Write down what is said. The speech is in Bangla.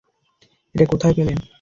এটা কোথায় পেলেন?